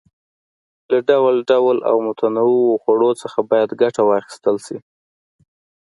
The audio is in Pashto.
له ډول ډول او متنوعو خوړو څخه باید ګټه واخیستل شي.